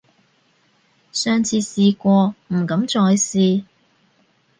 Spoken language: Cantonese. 上次試過，唔敢再試